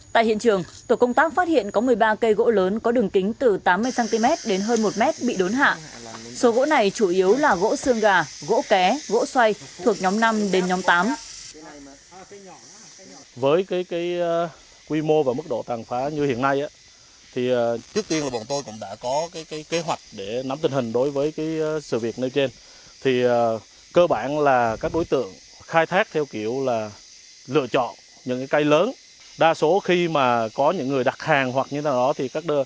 tại hiện trường tổ công tác phát hiện có một mươi ba cây gỗ lớn có đường kính từ tám mươi cm đến hơn một m bị đốn hạ